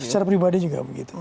secara pribadi juga begitu